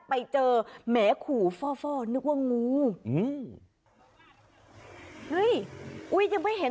ไปเจอแหมขู่ฟ่อฟ่อนึกว่างูอืมเฮ้ยอุ้ยยังไม่เห็น